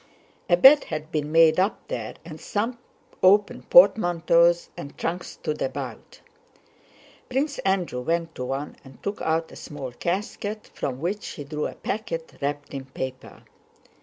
A bed had been made up there, and some open portmanteaus and trunks stood about. Prince Andrew went to one and took out a small casket, from which he drew a packet wrapped in paper.